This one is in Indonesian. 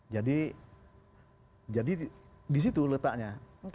jadi disitu letaknya